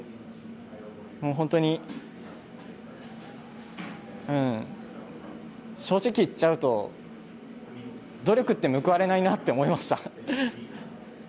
本当に正直言っちゃうと努力って報われないなって思いました。